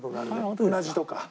うなじとか。